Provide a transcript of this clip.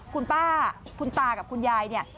คุณป้าคุณตากับคุณยายเนี่ย